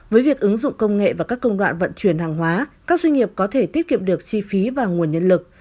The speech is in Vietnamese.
với việc ứng dụng công nghệ và các công đoạn vận chuyển hàng hóa các doanh nghiệp có thể tiết kiệm được chi phí và nguồn nhân lực